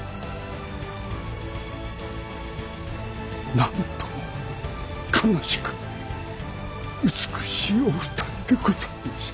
なんとも悲しく美しいお二人でございました。